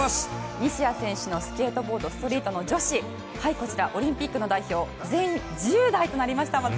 西矢選手のスケートボード・ストリートの女子オリンピックの代表全員１０代となりました。